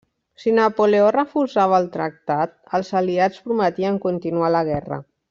Si Napoleó refusava el tractat, els Aliats prometien continuar la guerra.